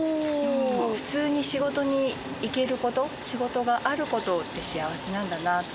普通に仕事に行けること、仕事があることって幸せなんだなって。